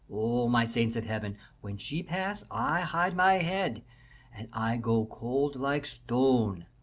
Oh, my saints of Heaven, when she pass I hide my head, and I go cold like stone.